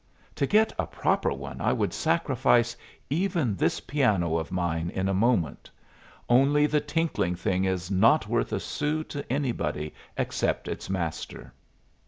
To get a proper one I would sacrifice even this piano of mine in a moment only the tinkling thing is not worth a sou to anybody except its master.